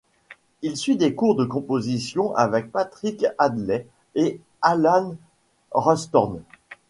Il suit des cours de composition avec Patrick Hadley et Alan Rawsthorne.